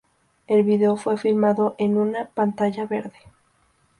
El video fue filmado en una pantalla verde.